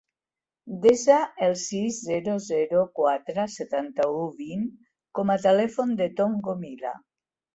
Desa el sis, zero, zero, quatre, setanta-u, vint com a telèfon del Tom Gomila.